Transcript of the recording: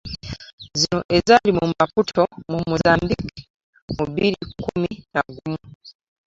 Zino ezaali e Maputo mu Mozambique mu bbiri kkumi na gumu